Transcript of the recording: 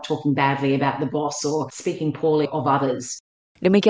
atau kaki yang rendah